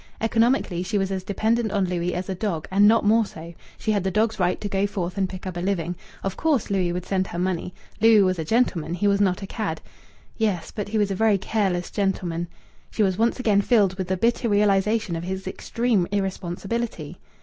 Economically she was as dependent on Louis as a dog, and not more so; she had the dog's right to go forth and pick up a living.... Of course Louis would send her money. Louis was a gentleman he was not a cad. Yes, but he was a very careless gentleman. She was once again filled with the bitter realization of his extreme irresponsibility.